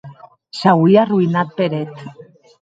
S’auie arroïnat per eth.